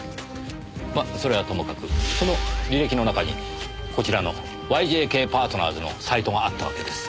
まっそれはともかくその履歴の中にこちらの「ＹＪＫパートナーズ」のサイトがあったわけです。